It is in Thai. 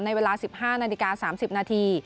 เวลา๑๕นาฬิกา๓๐นาที